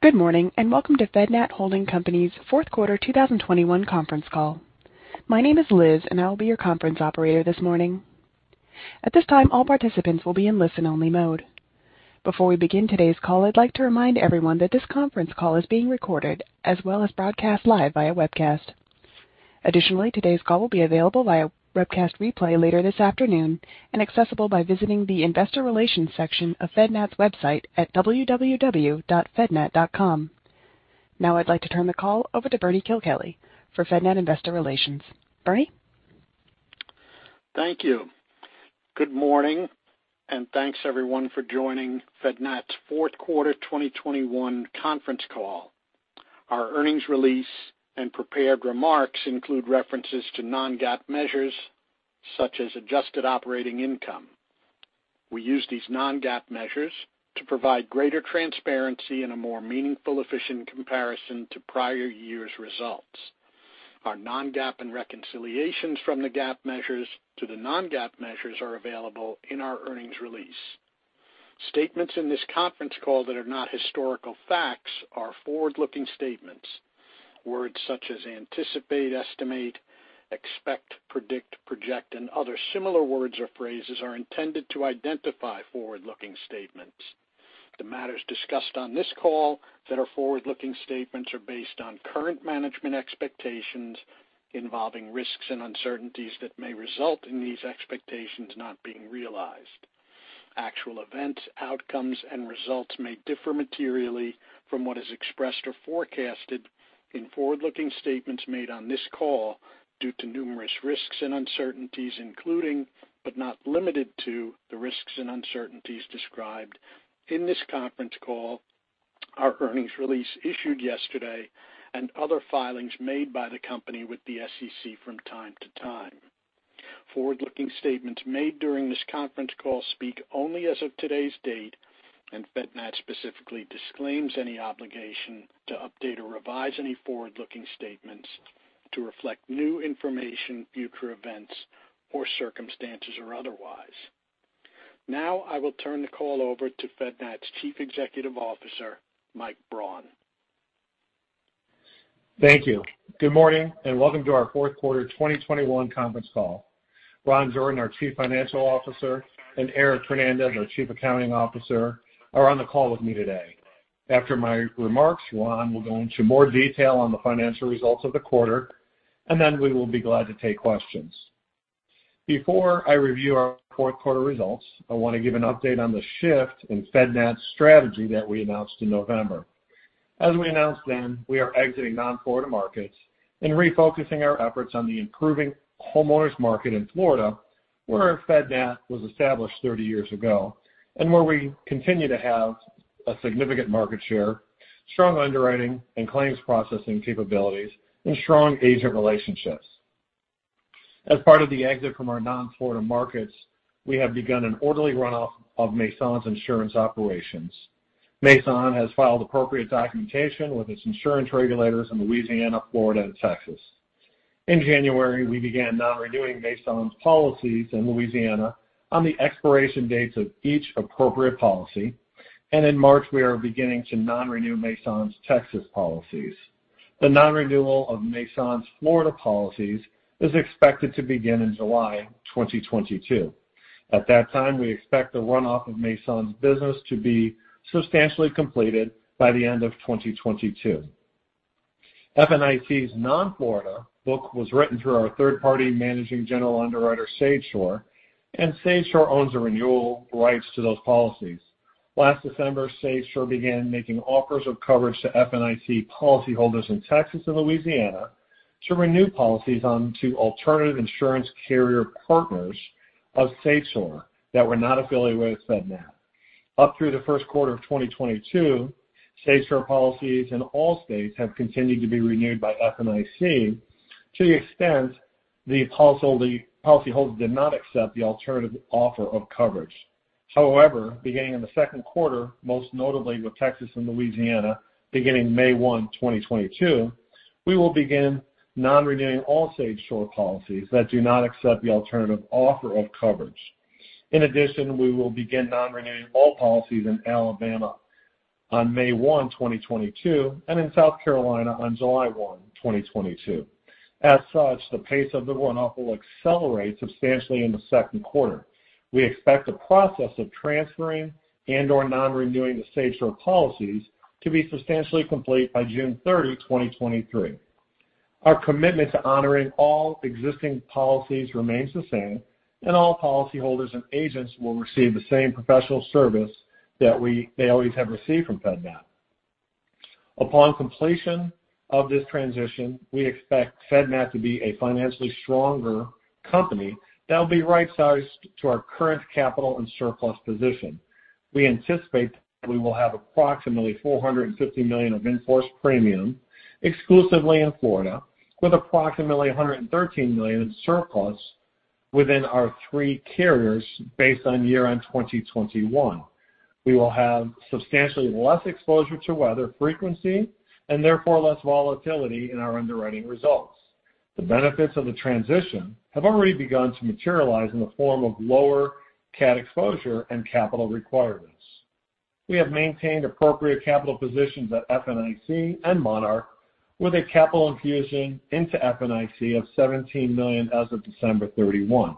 Good morning, and welcome to FedNat Holding Company's Q4 2021 Conference Call. My name is Liz, and I'll be your conference operator this morning. At this time, all participants will be in listen-only mode. Before we begin today's call, I'd like to remind everyone that this conference call is being recorded as well as broadcast live via webcast. Additionally, today's call will be available via webcast replay later this afternoon and accessible by visiting the Investor Relations section of FedNat's website at www.fednat.com. Now I'd like to turn the call over to Bernard Kilkelly for FedNat Investor Relations. Bernie. Thank you. Good morning, and thanks, everyone, for joining FedNat's Q4 2021 conference call. Our earnings release and prepared remarks include references to non-GAAP measures, such as adjusted operating income. We use these non-GAAP measures to provide greater transparency and a more meaningful, efficient comparison to prior years' results. Our non-GAAP and reconciliations from the GAAP measures to the non-GAAP measures are available in our earnings release. Statements in this conference call that are not historical facts are forward-looking statements. Words such as anticipate, estimate, expect, predict, project, and other similar words or phrases are intended to identify forward-looking statements. The matters discussed on this call that are forward-looking statements are based on current management expectations involving risks and uncertainties that may result in these expectations not being realized. Actual events, outcomes, and results may differ materially from what is expressed or forecasted in forward-looking statements made on this call due to numerous risks and uncertainties, including, but not limited to, the risks and uncertainties described in this conference call, our earnings release issued yesterday, and other filings made by the company with the SEC from time to time. Forward-looking statements made during this conference call speak only as of today's date, and FedNat specifically disclaims any obligation to update or revise any forward-looking statements to reflect new information, future events or circumstances or otherwise. Now I will turn the call over to FedNat's Chief Executive Officer, Michael Braun. Thank you. Good morning, and welcome to our Q4 2021 conference call. Ron Jordan, our Chief Financial Officer, and Erick Fernandez, our Chief Accounting Officer, are on the call with me today. After my remarks, Ron will go into more detail on the financial results of the quarter, and then we will be glad to take questions. Before I review our Q4 results, I wanna give an update on the shift in FedNat's strategy that we announced in November. As we announced then, we are exiting non-Florida markets and refocusing our efforts on the improving homeowners market in Florida, where FedNat was established 30 years ago and where we continue to have a significant market share, strong underwriting and claims processing capabilities, and strong agent relationships. As part of the exit from our non-Florida markets, we have begun an orderly runoff of Maison’s insurance operations. Maison has filed appropriate documentation with its insurance regulators in Louisiana, Florida, and Texas. In January, we began non-renewing Maison's policies in Louisiana on the expiration dates of each appropriate policy, and in March, we are beginning to non-renew Maison's Texas policies. The non-renewal of Maison's Florida policies is expected to begin in July 2022. At that time, we expect the runoff of Maison's business to be substantially completed by the end of 2022. FNIC's non-Florida book was written through our third-party managing general underwriter, SageSure, and SageSure owns the renewal rights to those policies. Last December, SageSure began making offers of coverage to FNIC policyholders in Texas and Louisiana to renew policies onto alternative insurance carrier partners of SageSure that were not affiliated with FedNat. Up through the Q1 of 2022, SageSure policies in all states have continued to be renewed by FNIC to the extent the policyholders did not accept the alternative offer of coverage. However, beginning in the Q2, most notably with Texas and Louisiana, beginning May 1, 2022, we will begin non-renewing all SageSure policies that do not accept the alternative offer of coverage. In addition, we will begin non-renewing all policies in Alabama on May 1, 2022, and in South Carolina on July 1, 2022. As such, the pace of the runoff will accelerate substantially in the Q2. We expect the process of transferring and/or non-renewing the SageSure policies to be substantially complete by June 30, 2023. Our commitment to honoring all existing policies remains the same, and all policyholders and agents will receive the same professional service that they always have received from FedNat. Upon completion of this transition, we expect FedNat to be a financially stronger company that will be right-sized to our current capital and surplus position. We anticipate we will have approximately $450 million of in-force premium exclusively in Florida, with approximately $113 million in surplus within our three carriers based on year-end 2021. We will have substantially less exposure to weather frequency and therefore less volatility in our underwriting results. The benefits of the transition have already begun to materialize in the form of lower cat exposure and capital requirements. We have maintained appropriate capital positions at FNIC and Monarch, with a capital infusion into FNIC of $17 million as of December 31.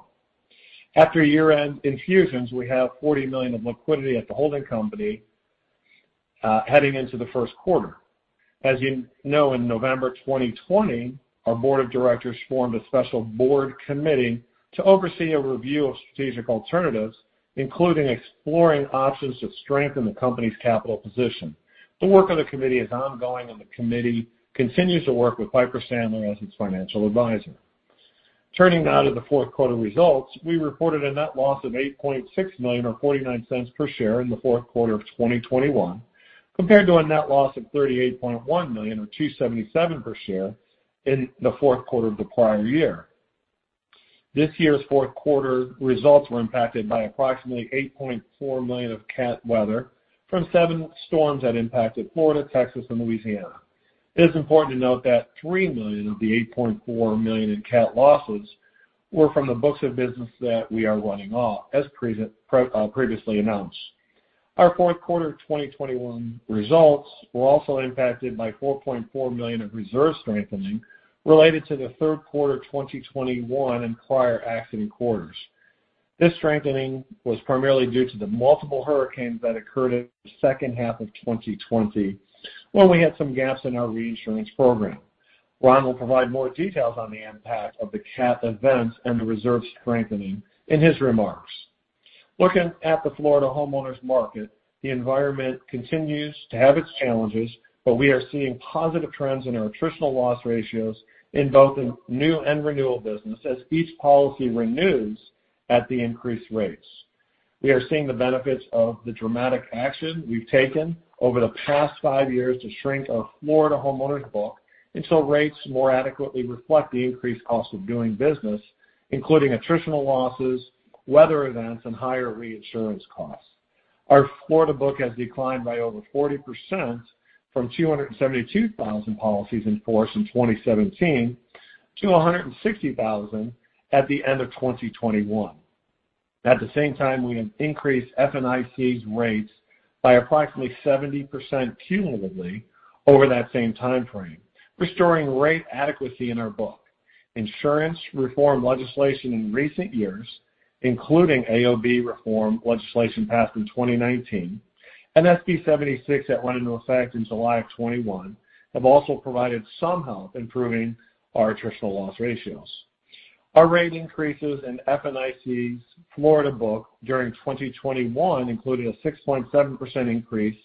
After year-end infusions, we have $40 million of liquidity at the holding company, heading into the Q1. As you know, in November 2020, our board of directors formed a special board committee to oversee a review of strategic alternatives, including exploring options to strengthen the company's capital position. The work of the committee is ongoing, and the committee continues to work with Piper Sandler as its financial advisor. Turning now to the Q4 results. We reported a net loss of $8.6 million, or $0.49 per share in the Q4 of 2021, compared to a net loss of $38.1 million or $2.77 per share in the Q4 of the prior year. This year's Q4 results were impacted by approximately $8.4 million of cat weather from seven storms that impacted Florida, Texas, and Louisiana. It is important to note that $3 million of the $8.4 million in cat losses were from the books of business that we are running off, as previously announced. Our Q4 2021 results were also impacted by $4.4 million of reserve strengthening related to the Q3 2021 and prior accident quarters. This strengthening was primarily due to the multiple hurricanes that occurred in the second half of 2020, when we had some gaps in our reinsurance program. Ron will provide more details on the impact of the cat events and the reserve strengthening in his remarks. Looking at the Florida homeowners market, the environment continues to have its challenges, but we are seeing positive trends in our attritional loss ratios in both the new and renewal business as each policy renews at the increased rates. We are seeing the benefits of the dramatic action we've taken over the past 5 years to shrink our Florida homeowners book until rates more adequately reflect the increased cost of doing business, including attritional losses, weather events, and higher reinsurance costs. Our Florida book has declined by over 40% from 272,000 policies in force in 2017 to 160,000 at the end of 2021. At the same time, we have increased FNIC's rates by approximately 70% cumulatively over that same timeframe, restoring rate adequacy in our book. Insurance reform legislation in recent years, including AOB reform legislation passed in 2019 and SB 76 that went into effect in July of 2021, have also provided some help improving our attritional loss ratios. Our rate increases in FNIC's Florida book during 2021 included a 6.7% increase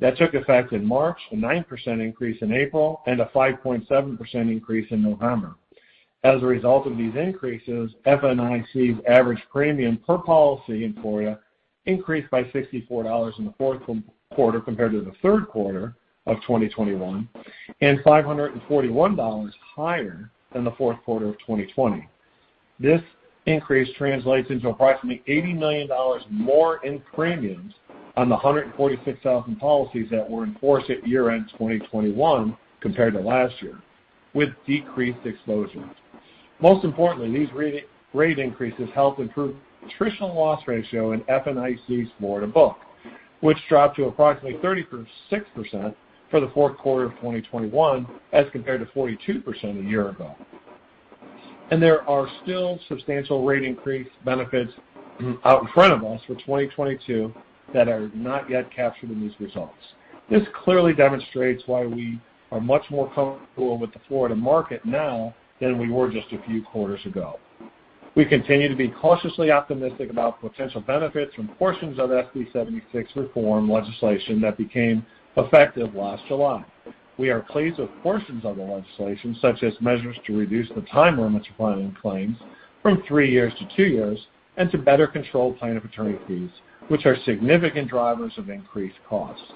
that took effect in March, a 9% increase in April, and a 5.7% increase in November. As a result of these increases, FNIC's average premium per policy in Florida increased by $64 in the Q4 compared to the Q3 of 2021, and $541 higher than the Q4 of 2020. This increase translates into approximately $80 million more in premiums on the 146,000 policies that were in force at year-end 2021 compared to last year with decreased exposure. Most importantly, these rate increases help improve attritional loss ratio in FNIC's Florida book, which dropped to approximately 36% for the Q4 of 2021 as compared to 42% a year ago. There are still substantial rate increase benefits out in front of us for 2022 that are not yet captured in these results. This clearly demonstrates why we are much more comfortable with the Florida market now than we were just a few quarters ago. We continue to be cautiously optimistic about potential benefits from portions of SB 76 reform legislation that became effective last July. We are pleased with portions of the legislation, such as measures to reduce the time limits for filing claims from 3 years to 2 years and to better control plaintiff attorney fees, which are significant drivers of increased costs.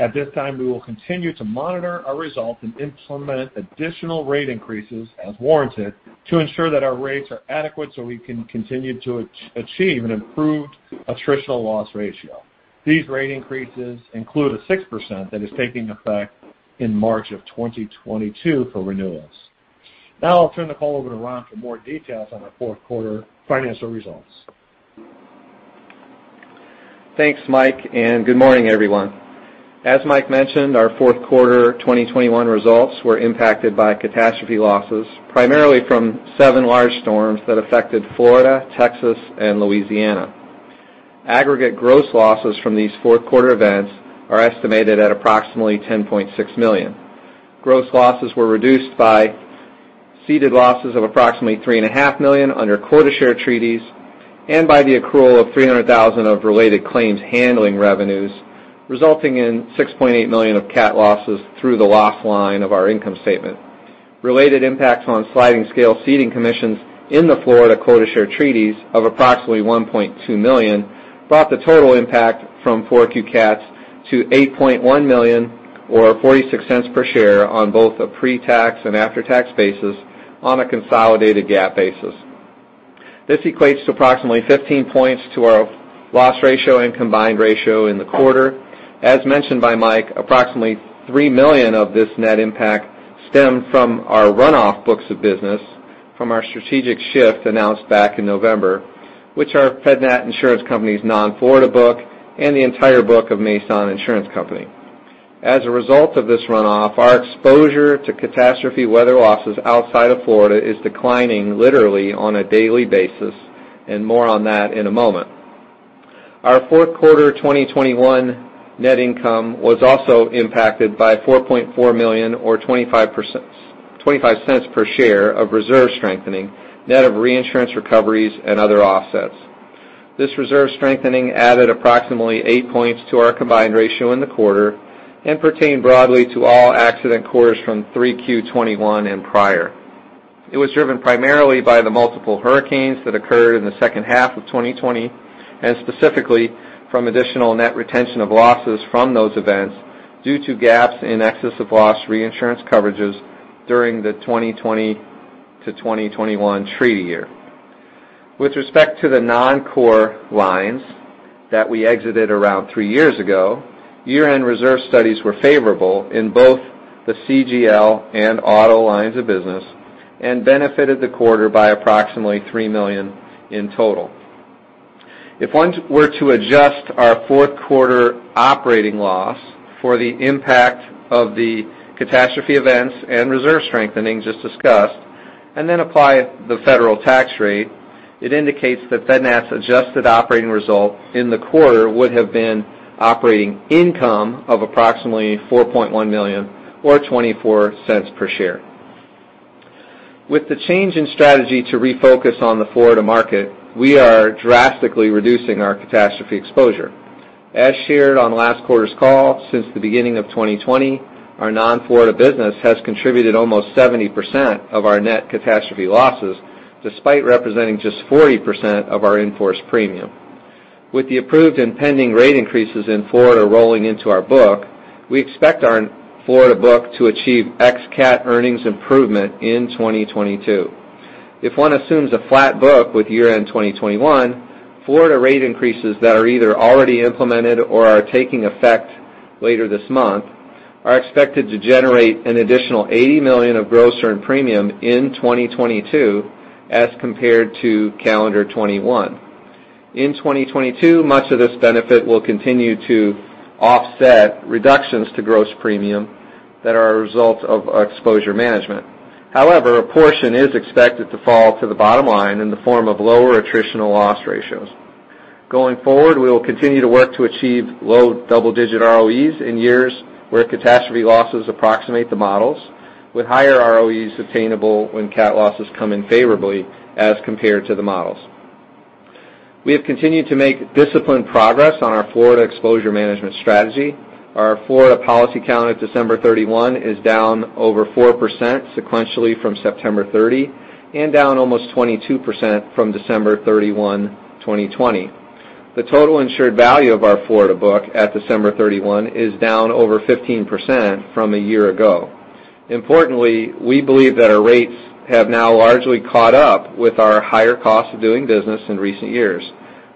At this time, we will continue to monitor our results and implement additional rate increases as warranted to ensure that our rates are adequate so we can continue to achieve an improved attritional loss ratio. These rate increases include a 6% that is taking effect in March of 2022 for renewals. Now I'll turn the call over to Ron for more details on our Q4 financial results. Thanks, Mike, and good morning, everyone. As Mike mentioned, our Q4 2021 results were impacted by catastrophe losses, primarily from seven large storms that affected Florida, Texas, and Louisiana. Aggregate gross losses from these Q4 events are estimated at approximately $10.6 million. Gross losses were reduced by ceded losses of approximately $3.5 million under quota share treaties and by the accrual of $300 thousand of related claims handling revenues, resulting in $6.8 million of cat losses through the loss line of our income statement. Related impacts on sliding scale ceding commissions in the Florida quota share treaties of approximately $1.2 million brought the total impact from 4Q cats to $8.1 million or $0.46 per share on both a pre-tax and after-tax basis on a consolidated GAAP basis. This equates to approximately 15 points to our loss ratio and combined ratio in the quarter. As mentioned by Mike, approximately $3 million of this net impact stemmed from our runoff books of business from our strategic shift announced back in November, which are FedNat Insurance Company's non-Florida book and the entire book of Maison Insurance Company. As a result of this runoff, our exposure to catastrophe weather losses outside of Florida is declining literally on a daily basis, and more on that in a moment. Our Q4 2021 net income was also impacted by $4.4 million or $0.25 per share of reserve strengthening, net of reinsurance recoveries and other offsets. This reserve strengthening added approximately 8 points to our combined ratio in the quarter and pertained broadly to all accident years from 3Q 2021 and prior. It was driven primarily by the multiple hurricanes that occurred in the second half of 2020, and specifically from additional net retention of losses from those events due to gaps in excess of loss reinsurance coverages during the 2020 to 2021 treaty year. With respect to the non-core lines that we exited around three years ago, year-end reserve studies were favorable in both the CGL and auto lines of business and benefited the quarter by approximately $3 million in total. If one were to adjust our Q4 operating loss for the impact of the catastrophe events and reserve strengthening just discussed, and then apply the federal tax rate, it indicates that FedNat's adjusted operating result in the quarter would have been operating income of approximately $4.1 million or $0.24 per share. With the change in strategy to refocus on the Florida market, we are drastically reducing our catastrophe exposure. As shared on last quarter's call, since the beginning of 2020, our non-Florida business has contributed almost 70% of our net catastrophe losses, despite representing just 40% of our in-force premium. With the approved and pending rate increases in Florida rolling into our book, we expect our Florida book to achieve ex cat earnings improvement in 2022. If one assumes a flat book with year-end 2021, Florida rate increases that are either already implemented or are taking effect later this month are expected to generate an additional $80 million of gross earned premium in 2022 as compared to calendar 2021. In 2022, much of this benefit will continue to offset reductions to gross premium that are a result of our exposure management. However, a portion is expected to fall to the bottom line in the form of lower attritional loss ratios. Going forward, we will continue to work to achieve low double-digit ROEs in years where catastrophe losses approximate the models, with higher ROEs attainable when cat losses come in favorably as compared to the models. We have continued to make disciplined progress on our Florida exposure management strategy. Our Florida policy count at December 31 is down over 4% sequentially from September 30 and down almost 22% from December 31, 2020. The total insured value of our Florida book at December 31 is down over 15% from a year ago. Importantly, we believe that our rates have now largely caught up with our higher cost of doing business in recent years.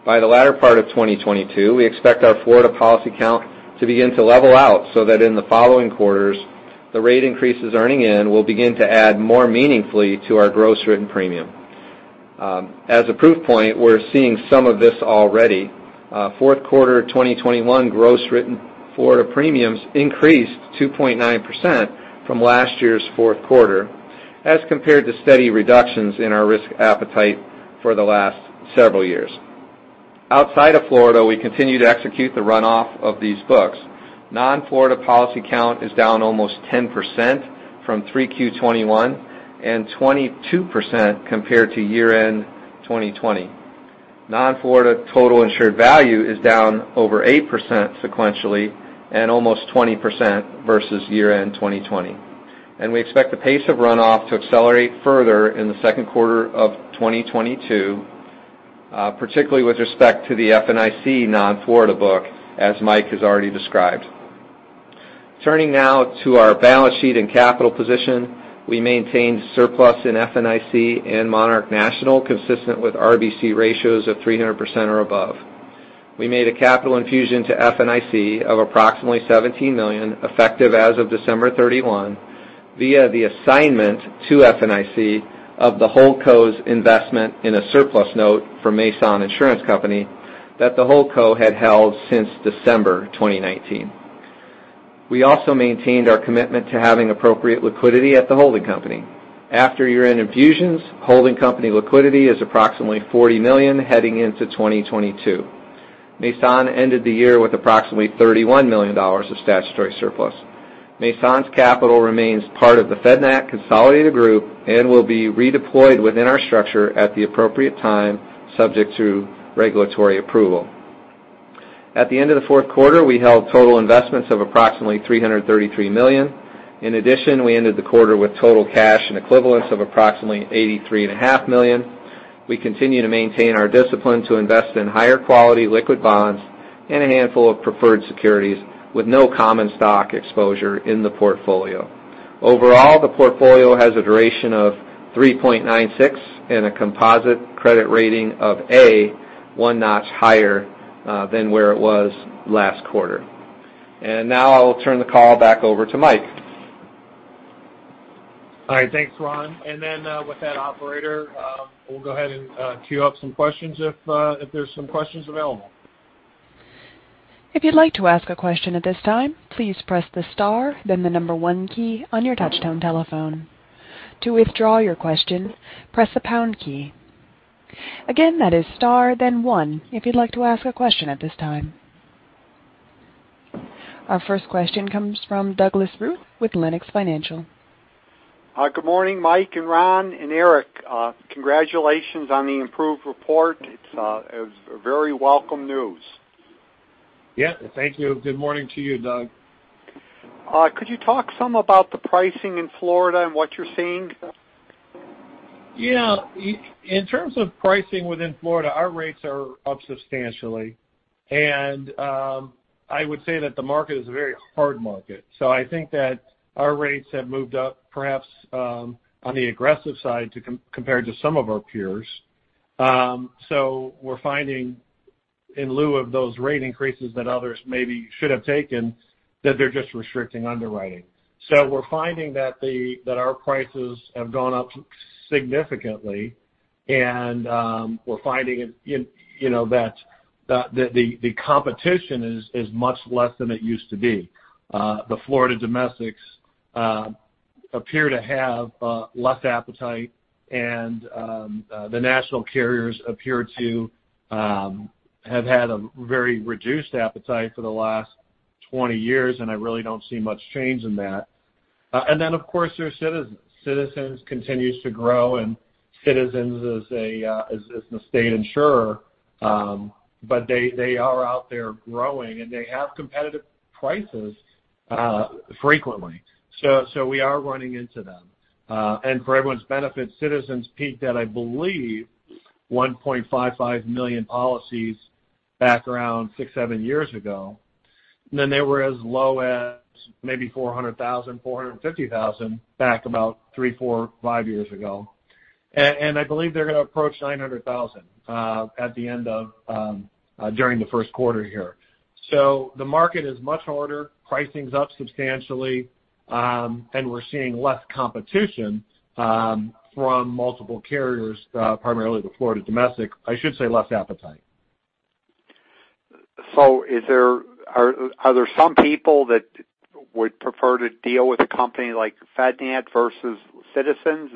By the latter part of 2022, we expect our Florida policy count to begin to level out so that in the following quarters, the rate increases earning in will begin to add more meaningfully to our gross written premium. As a proof point, we're seeing some of this already. Q4 2021 gross written Florida premiums increased 2.9% from last year's Q4 as compared to steady reductions in our risk appetite for the last several years. Outside of Florida, we continue to execute the runoff of these books. Non-Florida policy count is down almost 10% from 3Q 2021 and 22% compared to year-end 2020. Non-Florida total insured value is down over 8% sequentially and almost 20% versus year-end 2020. We expect the pace of runoff to accelerate further in the Q2 of 2022, particularly with respect to the FNIC non-Florida book, as Mike has already described. Turning now to our balance sheet and capital position. We maintained surplus in FNIC and Monarch National consistent with RBC ratios of 300% or above. We made a capital infusion to FNIC of approximately $17 million effective as of December 31 via the assignment to FNIC of the holding company's investment in a surplus note for Maison Insurance Company that the holding company had held since December 2019. We also maintained our commitment to having appropriate liquidity at the holding company. After year-end infusions, holding company liquidity is approximately $40 million heading into 2022. Maison ended the year with approximately $31 million of statutory surplus. Maison's capital remains part of the FedNat consolidated group and will be redeployed within our structure at the appropriate time subject to regulatory approval. At the end of the Q4, we held total investments of approximately $333 million. In addition, we ended the quarter with total cash and equivalents of approximately $83.5 million. We continue to maintain our discipline to invest in higher quality liquid bonds and a handful of preferred securities with no common stock exposure in the portfolio. Overall, the portfolio has a duration of 3.96 and a composite credit rating of A, one notch higher than where it was last quarter. Now I'll turn the call back over to Mike. All right. Thanks, Ron. With that operator, we'll go ahead and queue up some questions if there's some questions available. If you'd like to ask a question at this time, please press the star then the number one key on your touchtone telephone. To withdraw your question, press the pound key. Again, that is star then one if you'd like to ask a question at this time. Our first question comes from Douglas Ruth with Lenox Financial. Good morning, Mike and Ron and Eric. Congratulations on the improved report. It's a very welcome news. Yeah. Thank you. Good morning to you, Doug. Could you talk some about the pricing in Florida and what you're seeing? Yeah. In terms of pricing within Florida, our rates are up substantially. I would say that the market is a very hard market. I think that our rates have moved up, perhaps, on the aggressive side compared to some of our peers. We're finding in lieu of those rate increases that others maybe should have taken, that they're just restricting underwriting. We're finding that our prices have gone up significantly, and we're finding it, you know, that the competition is much less than it used to be. The Florida domestics appear to have less appetite, and the national carriers appear to have had a very reduced appetite for the last 20 years, and I really don't see much change in that. Of course, there's Citizens. Citizens continues to grow, and Citizens is a state insurer, but they are out there growing, and they have competitive prices frequently. We are running into them. For everyone's benefit, Citizens peaked at, I believe, 1.55 million policies back around six, seven years ago. Then they were as low as maybe 400,000, 450,000 back about three, four, five years ago. I believe they're going to approach 900,000 at the end of during the Q1 here. The market is much harder, pricing's up substantially, and we're seeing less competition from multiple carriers, primarily the Florida domestic. I should say less appetite. Are there some people that would prefer to deal with a company like FedNat versus Citizens?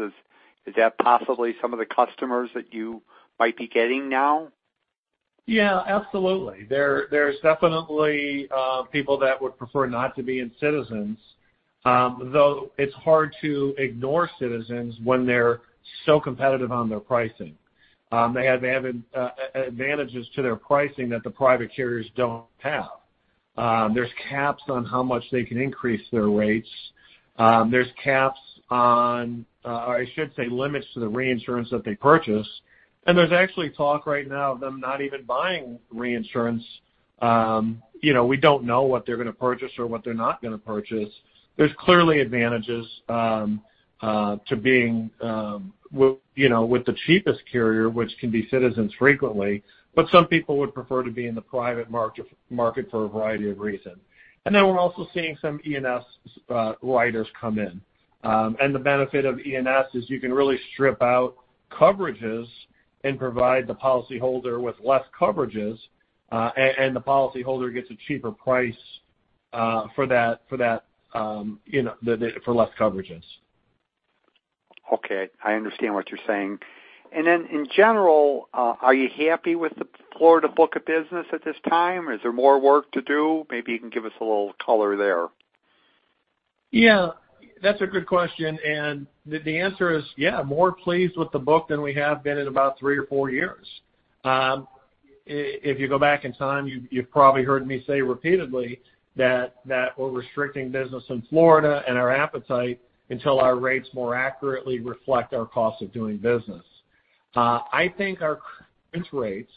Is that possibly some of the customers that you might be getting now? Yeah, absolutely. There's definitely people that would prefer not to be in Citizens, though it's hard to ignore Citizens when they're so competitive on their pricing. They have advantages to their pricing that the private carriers don't have. There's caps on how much they can increase their rates. There's caps on, or I should say, limits to the reinsurance that they purchase. There's actually talk right now of them not even buying reinsurance. You know, we don't know what they're gonna purchase or what they're not gonna purchase. There's clearly advantages to being, you know, with the cheapest carrier, which can be Citizens frequently, but some people would prefer to be in the private market for a variety of reasons. We're also seeing some E&S writers come in. The benefit of E&S is you can really strip out coverages and provide the policyholder with less coverages, and the policyholder gets a cheaper price for that, you know, for less coverages. Okay. I understand what you're saying. Then in general, are you happy with the Florida book of business at this time? Is there more work to do? Maybe you can give us a little color there. Yeah. That's a good question, and the answer is, yeah, more pleased with the book than we have been in about three or four years. If you go back in time, you've probably heard me say repeatedly that we're restricting business in Florida and our appetite until our rates more accurately reflect our cost of doing business. I think our current rates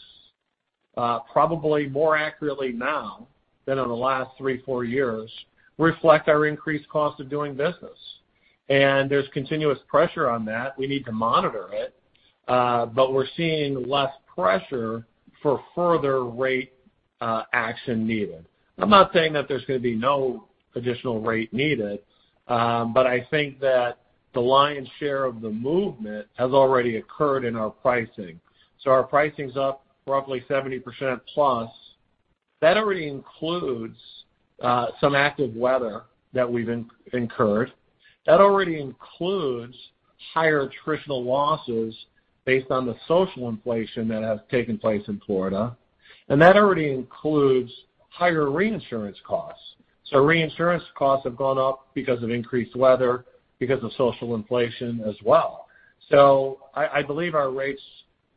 probably more accurately now than in the last three, four years, reflect our increased cost of doing business. There's continuous pressure on that. We need to monitor it, but we're seeing less pressure for further rate action needed. I'm not saying that there's gonna be no additional rate needed, but I think that the lion's share of the movement has already occurred in our pricing. Our pricing's up roughly 70% plus. That already includes some active weather that we've incurred. That already includes higher attritional losses based on the social inflation that has taken place in Florida. That already includes higher reinsurance costs. Reinsurance costs have gone up because of increased weather, because of social inflation as well. I believe our rates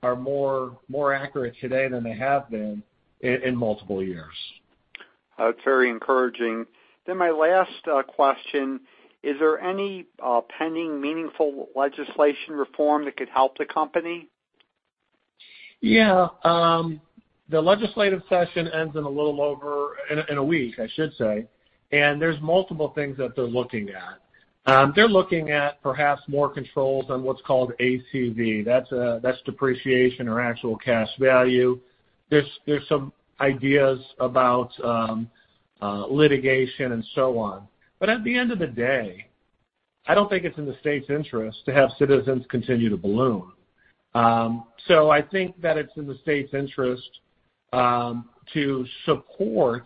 are more accurate today than they have been in multiple years. That's very encouraging. My last question. Is there any pending meaningful legislative reform that could help the company? Yeah. The legislative session ends in a little over a week, I should say. There's multiple things that they're looking at. They're looking at perhaps more controls on what's called ACV. That's depreciation or actual cash value. There's some ideas about litigation and so on. At the end of the day, I don't think it's in the state's interest to have Citizens continue to bloom. I think that it's in the state's interest to support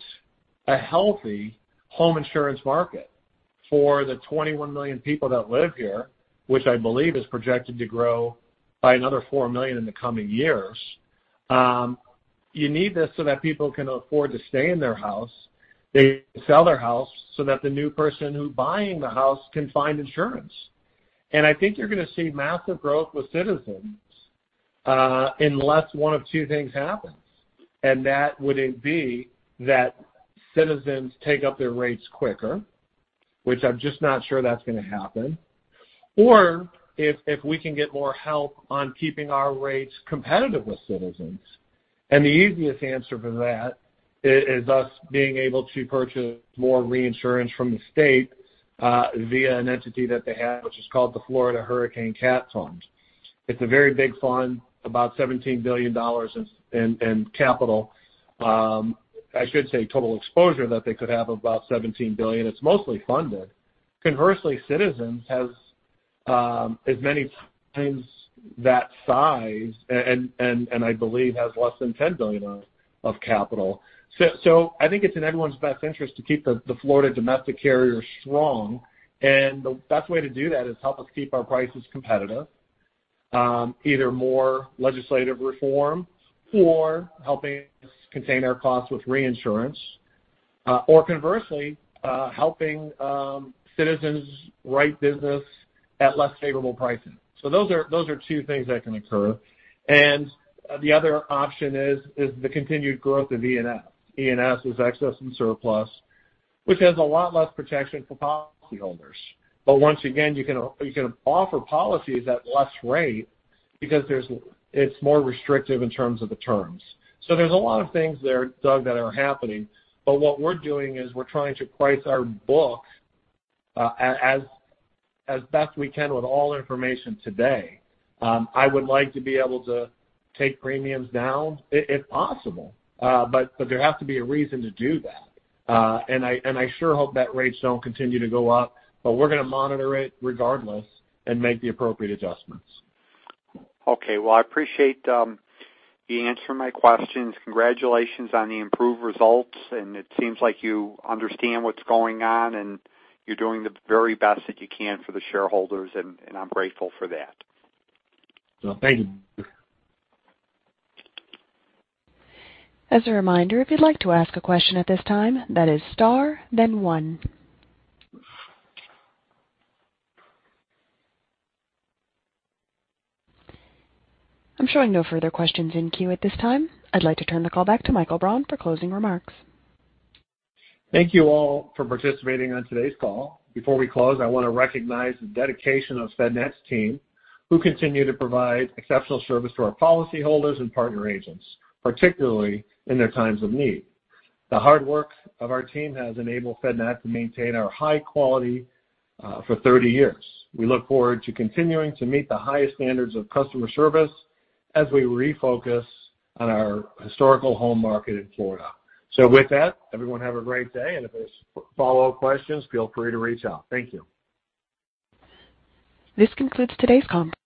a healthy home insurance market for the 21 million people that live here, which I believe is projected to grow by another 4 million in the coming years. You need this so that people can afford to stay in their house. They sell their house so that the new person who's buying the house can find insurance. I think you're gonna see massive growth with Citizens, unless one of two things happens, and that wouldn't be that Citizens take up their rates quicker, which I'm just not sure that's gonna happen, or if we can get more help on keeping our rates competitive with Citizens. The easiest answer for that is us being able to purchase more reinsurance from the state, via an entity that they have, which is called the Florida Hurricane Catastrophe Fund. It's a very big fund, about $17 billion in capital. I should say total exposure that they could have about $17 billion. It's mostly funded. Conversely, Citizens has as many times that size and I believe has less than $10 billion of capital. I think it's in everyone's best interest to keep the Florida domestic carriers strong. The best way to do that is help us keep our prices competitive, either more legislative reform or helping us contain our costs with reinsurance, or conversely, helping Citizens write business at less favorable pricing. Those are two things that can occur. The other option is the continued growth of E&S. E&S is excess and surplus, which has a lot less protection for policyholders. Once again, you can offer policies at less rate because it's more restrictive in terms of the terms. There's a lot of things there, Doug, that are happening. What we're doing is we're trying to price our books as best we can with all information today. I would like to be able to take premiums down if possible, but there has to be a reason to do that. I sure hope that rates don't continue to go up, but we're gonna monitor it regardless and make the appropriate adjustments. Okay. Well, I appreciate you answering my questions. Congratulations on the improved results, and it seems like you understand what's going on, and you're doing the very best that you can for the shareholders, and I'm grateful for that. Well, thank you. As a reminder, if you'd like to ask a question at this time, that is star, then one. I'm showing no further questions in queue at this time. I'd like to turn the call back to Michael Braun for closing remarks. Thank you all for participating on today's call. Before we close, I want to recognize the dedication of FedNat's team, who continue to provide exceptional service to our policyholders and partner agents, particularly in their times of need. The hard work of our team has enabled FedNat to maintain our high quality for 30 years. We look forward to continuing to meet the highest standards of customer service as we refocus on our historical home market in Florida. With that, everyone have a great day, and if there's follow-up questions, feel free to reach out. Thank you. This concludes today's conference.